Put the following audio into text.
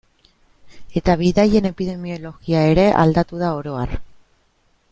Eta bidaien epidemiologia ere aldatu da oro har.